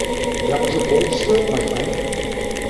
That was a bold stroke, my friend.